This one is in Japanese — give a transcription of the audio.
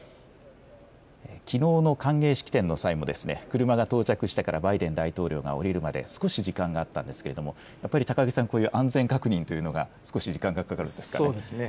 きのうの歓迎式典の際も、車が到着してからバイデン大統領が降りるまで、少し時間があったんですけれども、やっぱり高木さん、こういう安全確認というのが少し時間がかかるんですかね。